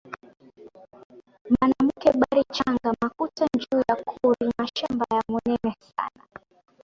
Banamuke bari changa makuta njuu ya ku rima shamba ya munene sana